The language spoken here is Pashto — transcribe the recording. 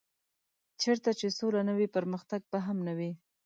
چېرته چې سوله نه وي پرمختګ به هم نه وي.